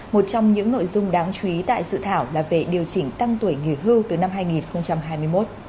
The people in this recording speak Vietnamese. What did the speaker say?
một trong những nội dung đáng chú ý tại dự thảo là về điều chỉnh tăng tuổi nghỉ hưu từ năm hai nghìn hai mươi một